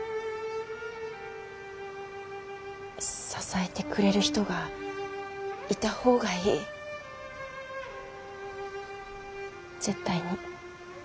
支えてくれる人がいた方がいい絶対に。